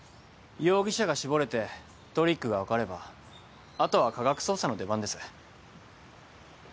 容疑者が絞れてトリックが分かればあとは科学捜査の出番です。